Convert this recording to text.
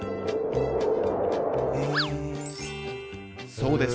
そうです。